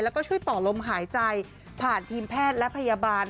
แล้วก็ช่วยต่อลมหายใจผ่านทีมแพทย์และพยาบาล